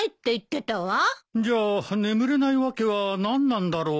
じゃあ眠れないわけは何なんだろう？